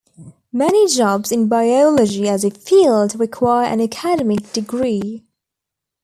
Many jobs in biology as a field require an academic degree.